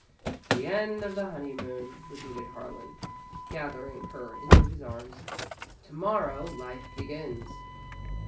"The end of the honeymoon!" repeated Harlan, gathering her into his arms. "To morrow, life begins!"